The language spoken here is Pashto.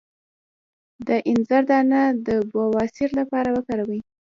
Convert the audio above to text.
د انځر دانه د بواسیر لپاره وکاروئ